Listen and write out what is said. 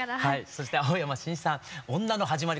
そして青山新さん「女のはじまり」